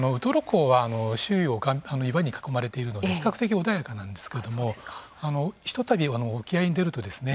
ウトロ港は周囲を岩に囲まれているので比較的穏やかなんですけれどもひとたび沖合に出るとですね